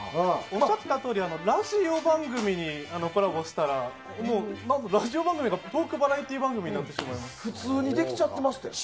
おっしゃったとおりラジオ番組とコラボしたらラジオ番組がトークバラエティー番組に普通にできちゃってましたよ。